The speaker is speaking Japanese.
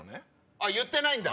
あっ言ってないんだ。